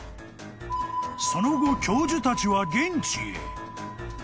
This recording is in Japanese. ［その後教授たちは現地へ］